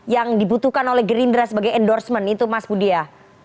yang dibutuhkan oleh gerindra sebagai endorsement itu mas budi ya